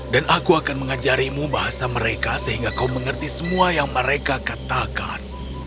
dan aku akan mengajarimu bahasa mereka sehingga kau mengerti semua yang mereka katakan